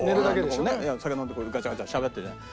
酒飲んでガチャガチャしゃべってるじゃない。